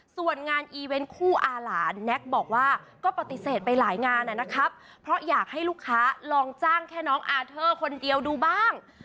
ส่วนงานอีเวนต์คู่อาหลานแน็กบอกว่าก็ปฏิเสธไปหลายงานนะครับเพราะอยากให้ลูกค้าลองจ้างแค่น้องอาเทอร์คนเดียวดูบ้าง